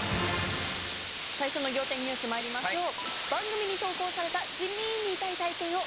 最初の仰天ニュースまいりましょう。